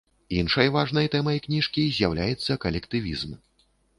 Іншай важнай тэмай кніжкі з'яўляецца калектывізм.